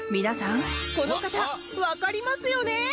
皆さんこの方わかりますよね？